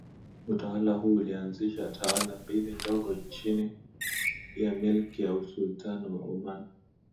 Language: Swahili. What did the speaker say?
Utawala huu ulianzisha tawala mbili ndogo chini ya Milki ya Usultan wa Oman